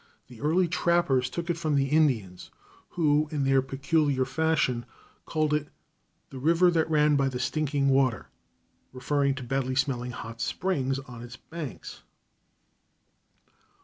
The early trappers took it from the Indians, who, in their peculiar fashion, called it 'the river that ran by the stinking water,' referring to bad smelling hot springs on its banks."